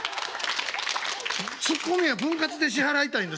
ツッコミは分割で支払いたいんです僕は。